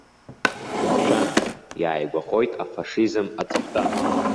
Шәымшәан, иааигәахоит афашизм аҵыхәтәа!